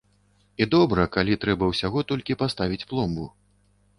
І добра, калі трэба ўсяго толькі паставіць пломбу.